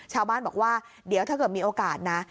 ชาวบ้านบอกว่าเดี๋ยวถ้าเกิดมีโอกาสนะ